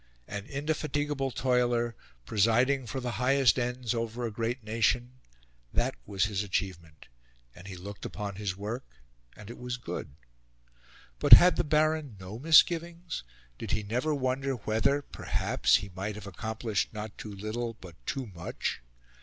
An indefatigable toiler, presiding, for the highest ends, over a great nation that was his achievement; and he looked upon his work and it was good. But had the Baron no misgivings? Did he never wonder whether, perhaps, he might have accomplished not too little but too much?